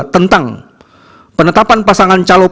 tentang penetapan pasangan calon